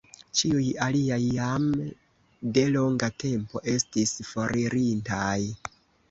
Ĉiuj aliaj jam de longa tempo estis foririntaj.